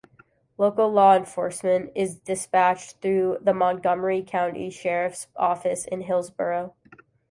Local law enforcement is dispatched through the Montgomery County Sheriff's Office in Hillsboro.